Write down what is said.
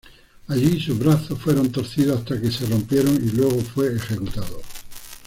Allí sus brazos fueron torcidos hasta que se rompieron, y luego fue ejecutado.